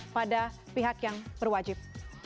pada pihak yang berwajib